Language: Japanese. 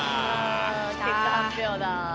結果発表だ。